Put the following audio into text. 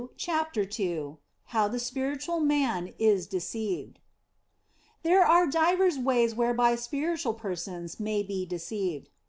CHAPTER II HOW THE SPIRITUAL MAN IS DECEIVED THERE are divers ways whereby spiritual persons may be deceived.